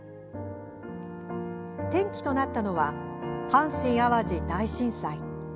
転機となったのは阪神・淡路大震災。